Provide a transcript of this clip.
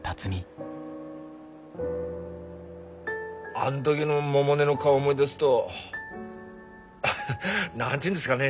あん時の百音の顔を思い出すと何て言うんですかね